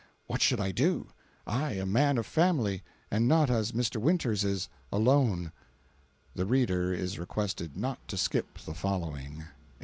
What should I do—I, a man of family, and not as Mr. Winters is, "alone." [The reader is requested not to skip the following.